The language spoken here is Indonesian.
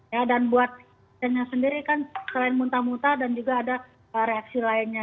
ya dan buatannya sendiri kan selain muntah muntah dan juga ada reaksi lainnya